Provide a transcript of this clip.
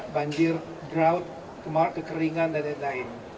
banjir drought kemah kekeringan dan lain lain